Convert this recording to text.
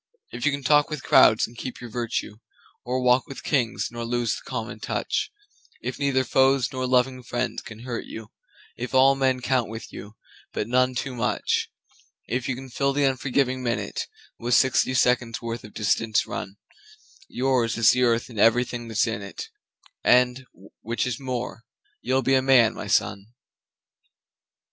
If you can talk with crowds and keep your virtue, Or walk with Kings nor lose the common touch, If neither foes nor loving friends can hurt you, If all men count with you, but none too much; If you can fill the unforgiving minute With sixty seconds' worth of distance run, Yours is the Earth and everything that's in it, And which is more you'll be a Man, my son!